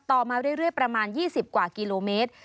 มาเรื่อยประมาณ๒๐กว่ากิโลเมตร